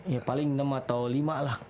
ya paling enam atau lima lah